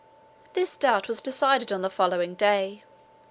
This doubt was decided on the following day.